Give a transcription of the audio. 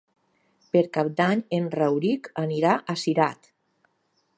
Per Cap d'Any en Rauric anirà a Cirat.